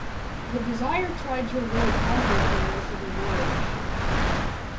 The "Desire" tried to avoid conflict for the rest of her voyage.